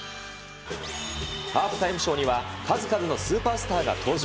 ハーフタイムショーには、数々のスーパースターが登場。